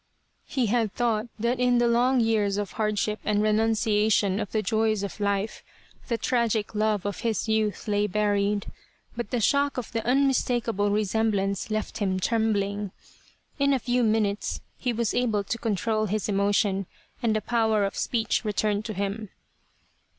He had thought that in the long years of hardship and renunciation of the joys of life the tragic love of his youth lay buried, but the shock of the unmis takable resemblance left him trembling. In a few minutes he was able to control his emotion and the power of speech returned to him.